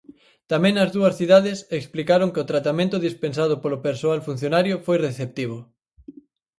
Tamén nas dúas cidades explicaron que o tratamento dispensado polo persoal funcionario foi receptivo.